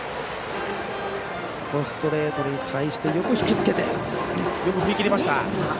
ストレートに対してよく引きつけてよく振りきりました。